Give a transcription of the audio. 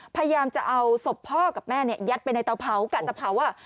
พยายามจะเอาศพพ่อกับแม่ยัดไปในเตาเผากะเตาเผา